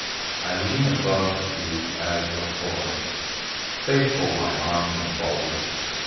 I lean above you as before, Faithful, my arms enfold.